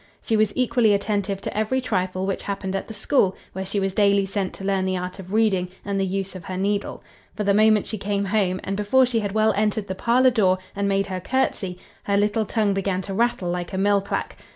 She was equally attentive to every trifle which happened at the school, where she was daily sent to learn the art of reading, and the use of her needle; for the moment she came home, and before she had well entered the parlour door, and made her courtesy, her little tongue began to rattle like a mill clack."